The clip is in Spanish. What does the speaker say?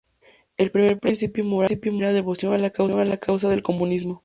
El primer principio moral era "Devoción a la causa del comunismo".